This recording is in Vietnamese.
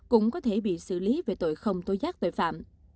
cũng có thể bị xử lý về tội không tối giác bệ phạm